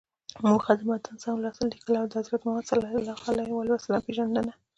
موخه: د متن سم لوستل، ليکل او د حضرت محمد ﷺ پیژندنه.